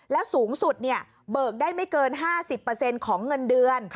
และสูงสุดเบิกได้ไม่เกิน๕๐เปอร์เซ็นต์ของเงินเดือน